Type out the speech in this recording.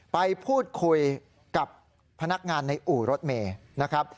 ไปพูดคุยกับพนักงานในอู่รถเมย์นะครับ